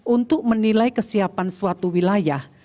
untuk menilai kesiapan suatu wilayah